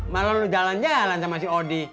malah lo jalan jalan sama si odi